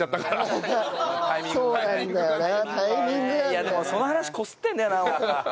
いやでもその話こすってんだよなもう。